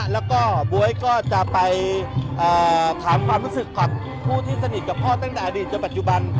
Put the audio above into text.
แล้วก็บ๊วยก็จะไปถามความรู้สึกกับผู้ที่สนิทกับพ่อตั้งแต่อดีตจนปัจจุบัน